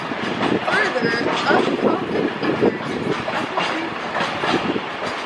Further up Compton Acres is The Apple Tree pub.